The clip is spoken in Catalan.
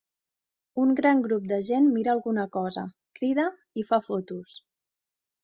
Un gran grup de gent mira alguna cosa, crida i fa fotos.